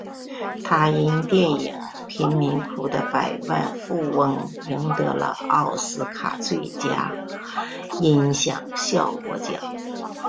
他因电影贫民窟的百万富翁赢得了奥斯卡最佳音响效果奖。